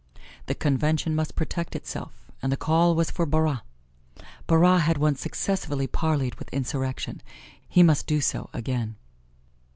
The Convention must protect itself, and the call was for Barras. Barras had once successfully parleyed with insurrection he must do so again.